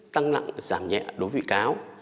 tăng nặng giảm nhẹ đối với bị cáo